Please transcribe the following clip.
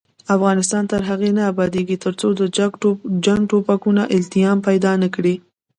افغانستان تر هغو نه ابادیږي، ترڅو د جنګ ټپونه التیام پیدا نکړي.